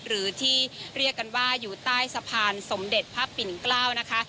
หรือที่เรียกกันว่าอยู่ใต้สะพานสมเด็จพระปิ่นเกล้านะคะ